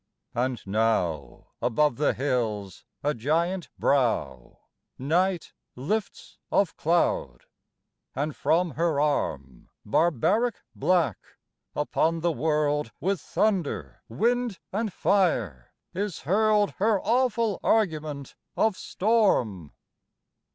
And now Above the hills a giant brow Night lifts of cloud; and from her arm, Barbaric black, upon the world, With thunder, wind and fire, is hurled Her awful argument of storm.